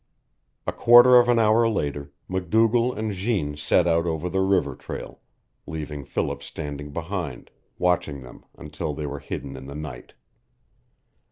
A quarter of an hour later MacDougall and Jeanne set out over the river trail, leaving Philip standing behind, watching them until they were hidden in the night.